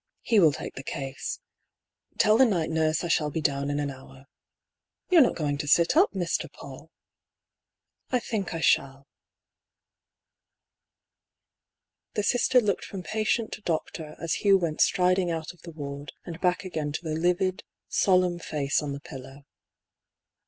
He will take the case. Tell the night nurse I shall be down in an hour." " You're not going to sit up, Mr. Paull ?" PATE. 7 « I think I shall." The Sister looked from patient to doctor, as Hugh went striding out of the ward, and back again to the livid, solemn face on the pillow.